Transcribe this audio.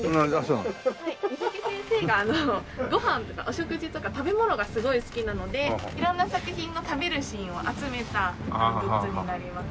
水木先生がご飯とかお食事とか食べ物がすごい好きなので色んな作品の食べるシーンを集めたグッズになります。